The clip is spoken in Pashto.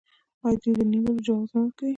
آیا دوی د نیولو جواز نه ورکوي؟